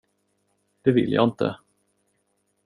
Det vill jag inte.